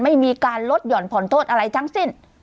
ไม่มีการลดหย่อนผ่อนโทษอะไรทั้งสิ้น